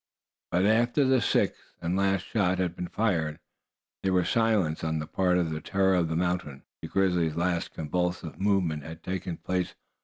But after the sixth and last shot had been fired, there was silence on the part of the terror of the mountain gulches. The grizzly's last convulsive movement had taken place.